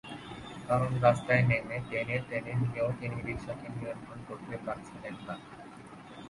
কারণ, রাস্তায় নেমে টেনে টেনে নিয়েও তিনি রিকশাকে নিয়ন্ত্রণ করতে পারছিলেন না।